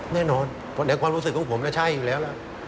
แน่นอนในความรู้สึกของผมน่ะใช่อยู่แล้วล่ะ